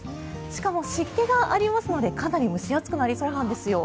しかも、湿気がありますのでかなり蒸し暑くなりそうなんですよ。